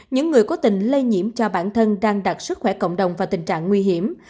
những người cố tình lây nhiễm cho bản thân đang đặt sức khỏe cộng đồng vào tình trạng nguy hiểm